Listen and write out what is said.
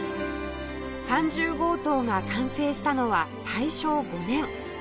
３０号棟が完成したのは大正５年